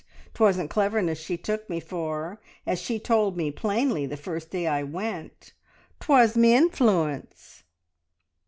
'Twasn't cleverness she took me for, as she told me plainly the first day I went; 'twas m'influence!"